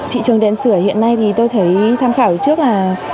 thị trường đèn sửa hiện nay thì tôi thấy tham khảo trước là